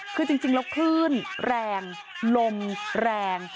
คือจริงแล้วคลื่นแรงลมแรง